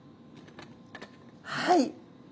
はい。